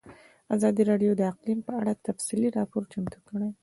ازادي راډیو د اقلیم په اړه تفصیلي راپور چمتو کړی.